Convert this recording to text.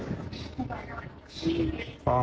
มันต้องการมาหาเรื่องมันจะมาแทงนะ